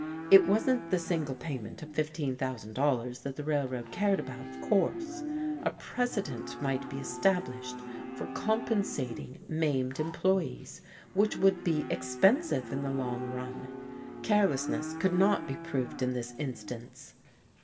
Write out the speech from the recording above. It wasn't the single payment of $15,000 that the Railroad cared about, of course; a precedent might be established for compensating maimed employees which would be expensive in the long run. Carelessness could not be proved in this instance.